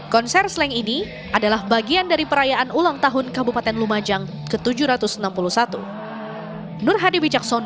konser slang ini adalah bagian dari perayaan ulang tahun kabupaten lumajang ke tujuh ratus enam puluh satu